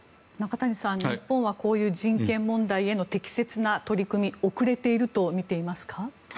中谷さん、日本はこういう人権問題への適切な取り組み遅れているとみていますか？